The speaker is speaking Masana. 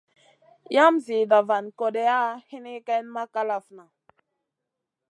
Yam zida van kodeya hini ken ma kalafna.